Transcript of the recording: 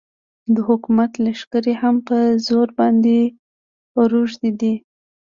د حکومت لښکرې هم په زرو باندې روږدې دي.